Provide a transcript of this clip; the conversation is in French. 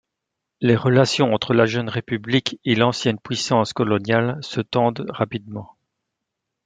Les relations entre la jeune république et l'ancienne puissance coloniale se tendent rapidement.